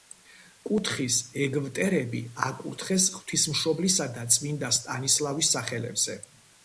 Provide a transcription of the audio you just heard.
კუთხის ეგვტერები აკურთხეს ღვთისმშობლისა და წმინდა სტანისლავის სახელებზე.